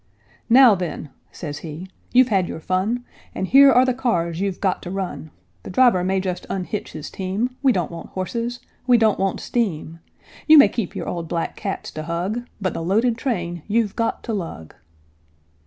"Now, then," says he, "you've had your fun, And here are the cars you've got to run. The driver may just unhitch his team, We don't want horses, we don't want steam You may keep your old black cats to hug, But the loaded train you've got to lug."